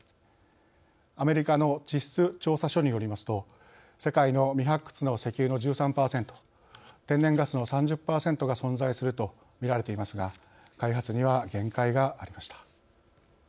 アメリカの地質調査所によりますと世界の未発掘の石油の１３パーセント天然ガスの３０パーセントが存在するとみられていますが開発には限界がありました。